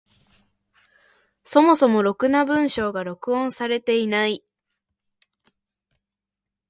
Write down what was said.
そもそもろくな文章が録音されていない。